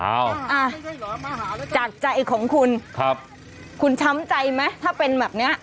อ่ะจากใจของคุณครับคุณช้ำใจไหมถ้าเป็นแบบเนี้ย